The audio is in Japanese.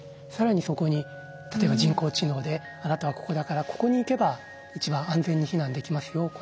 更にそこに例えば人工知能で「あなたはここだからここに行けば一番安全に避難できますよ。